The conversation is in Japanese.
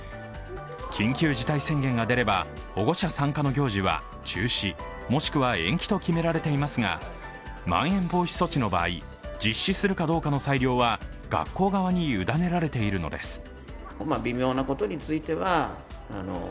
緊急事態宣言が出れば、保護者参加の行事は中止もしくは延期と決められていますがまん延防止措置の場合実施するかどうかの裁量は学校側に委ねられているのです。